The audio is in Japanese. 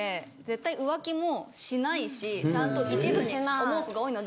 ちゃんと一途に思う子が多いので。